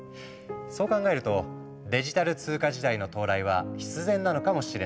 そう考えるとデジタル通貨時代の到来は必然なのかもしれないね。